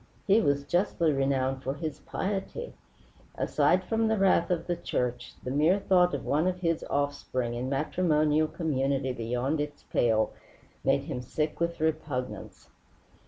He was justly renowned for his piety. Aside from the wrath of the church, the mere thought of one of his offspring in matrimonial community beyond its pale made him sick with repugnance.